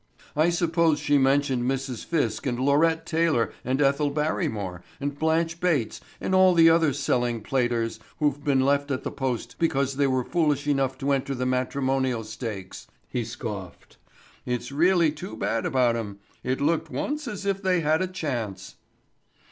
"I suppose she mentioned Mrs. Fiske and Laurette Taylor and Ethel Barrymore and Blanche Bates and all the other selling platers who've been left at the post because they were foolish enough to enter the matrimonial stakes," he scoffed. "It's really too bad about 'em. It looked once as if they had a chance."